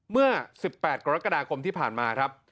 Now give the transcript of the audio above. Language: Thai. เมื่อ๑๘กรกฎาคมที่ผ่านมาครับ